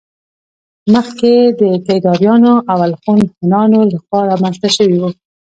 مخکې د کيداريانو او الخون هونانو له خوا رامنځته شوي وو